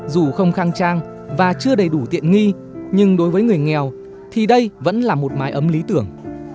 dù không khang trang và chưa đầy đủ tiện nghi nhưng đối với người nghèo thì đây vẫn là một mái ấm lý tưởng